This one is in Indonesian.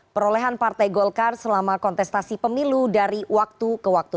perolehan partai golkar selama kontestasi pemilu dari waktu ke waktu